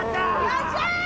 よっしゃ！